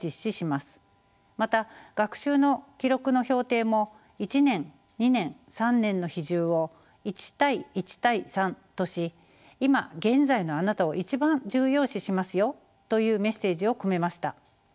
また学習の記録の評定も１年２年３年の比重を１対１対３とし今現在のあなたを一番重要視しますよというメッセージを込めました。